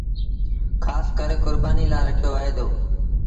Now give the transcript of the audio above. کآس ڪري ڪربآݩيٚ لآ رکيو وهي دو۔